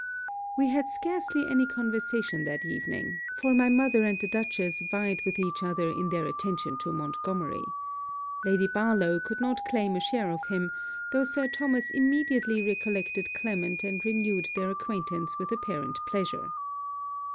We had scarcely any conversation that evening; for my mother and the Dutchess vied with each other in their attention to Montgomery. Lady Barlowe could not claim a share of him, though Sir Thomas immediately recollected Clement and renewed their acquaintance with apparent pleasure.